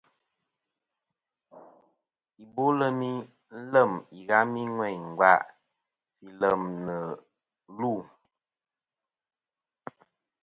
Ibolem ilem ìghami ŋweyn ngva fi lem nɨ lu'.